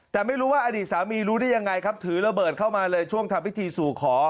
แต่ไม่รู้ว่าอดีตสามีรู้ได้ยังไงครับถือระเบิดเข้ามาเลยช่วงทำพิธีสู่ขอ